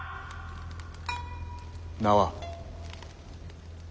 名は？